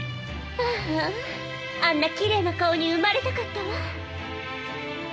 あああんなきれいな顔に生まれたかったわ。